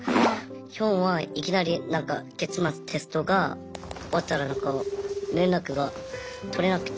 ヒョンはいきなり月末テストが終わったら連絡が取れなくて。